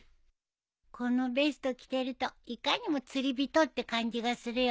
このベスト着てるといかにも釣り人って感じがするよね。